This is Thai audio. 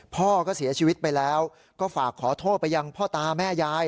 พ่อก็เสียชีวิตไปแล้วก็ฝากขอโทษไปยังพ่อตาแม่ยาย